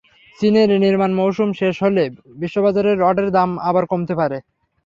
চীনের নির্মাণ মৌসুম শেষ হলে বিশ্ববাজারে রডের দাম আবার কমতে পারে।